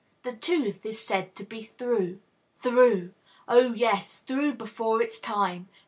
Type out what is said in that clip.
The tooth is said to be "through." Through! Oh, yes; through before its time.